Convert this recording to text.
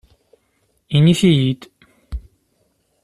Init-iyi-d.